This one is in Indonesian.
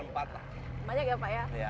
banyak ya pak ya